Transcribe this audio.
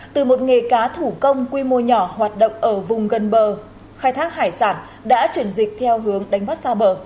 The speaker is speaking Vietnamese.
từ một nghề cá thủ công quy mô nhỏ hoạt động ở vùng gần bờ khai thác hải sản đã chuyển dịch theo hướng đánh bắt xa bờ